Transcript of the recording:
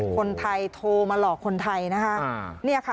คนไทยโทรมาหลอกคนไทย